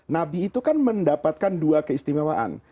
nabi itu kan mendapatkan dua keistimewaan